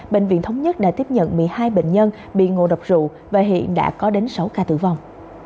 bệnh viện thống nhất đã tiếp nhận một mươi hai bệnh nhân bị ngộ độc rượu và hiện đã có đến sáu ca tử vong